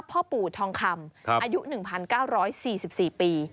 พ่อปู่ทองคำอายุ๑๙๔๔ปี